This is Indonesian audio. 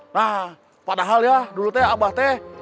nah padahal ya dulu teh abah teh